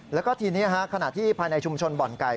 แล้วก็ทีนี้ขณะที่ภายในชุมชนบ่อนไก่